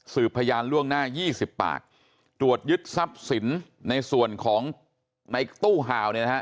พยานล่วงหน้ายี่สิบปากตรวจยึดทรัพย์สินในส่วนของในตู้ห่าวเนี่ยนะฮะ